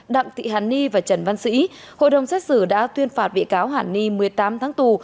đặng thị hàn ni và trần văn sĩ hội đồng xét xử đã tuyên phạt bị cáo hàn ni một mươi tám tháng tù